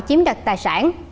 chiếm đặt tài sản